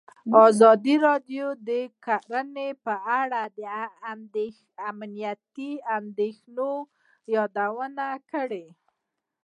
ازادي راډیو د کرهنه په اړه د امنیتي اندېښنو یادونه کړې.